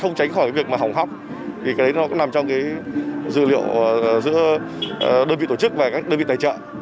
không tránh khỏi việc mà hỏng hóc thì cái đấy nó cũng nằm trong dự liệu giữa đơn vị tổ chức và đơn vị tài trợ